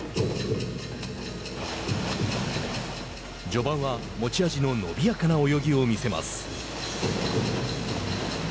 序盤は、持ち味の伸びやかな泳ぎを見せます。